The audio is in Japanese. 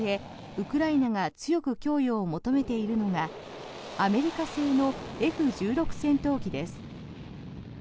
ウクライナが強く供与を求めているのがアメリカ製のＦ１６戦闘機です。